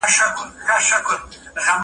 د غوماشو جالۍ وکاروئ.